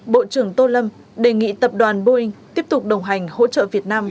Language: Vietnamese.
bộ trưởng tô lâm đề nghị tập đoàn boeing tiếp tục đồng hành hỗ trợ việt nam